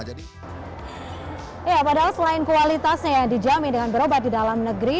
ya padahal selain kualitasnya yang dijamin dengan berobat di dalam negeri